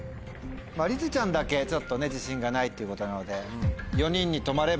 りづちゃんだけちょっとね自信がないっていうことなので４人に止まれば。